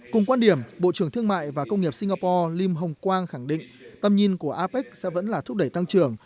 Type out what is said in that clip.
cùng quan điểm bộ trưởng thương mại và công nghiệp singapore lim hongkwang khẳng định tâm nhìn của apec sẽ vẫn là thúc đẩy tăng trưởng